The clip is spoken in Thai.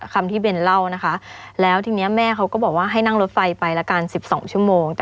คำที่เบนเล่านะคะแล้วทีนี้แม่เขาก็บอกว่าให้นั่งรถไฟไปละกัน๑๒ชั่วโมง